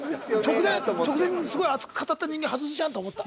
直前にすごい熱く語った人間外すじゃんって思った。